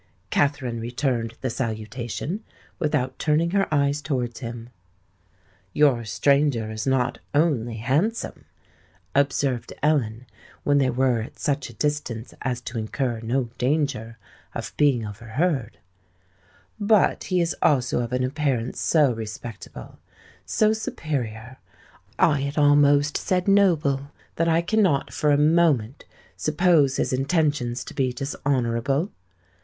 Katherine returned the salutation without turning her eyes towards him. "Your stranger is not only handsome," observed Ellen, when they were at such a distance as to incur no danger of being overheard; "but he is also of an appearance so respectable—so superior,——I had almost said noble,——that I cannot for a moment suppose his intentions to be dishonourable.